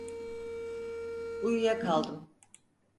Uyuyakaldım.